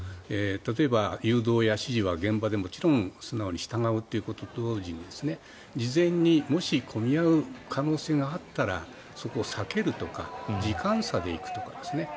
例えば、誘導や指示は現場で素直に従うということと同時に事前にもし混み合う可能性があったらそこを避けるとか時間差で行くとかですね。